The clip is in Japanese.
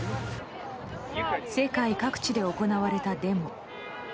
世界各地で行われたデモ。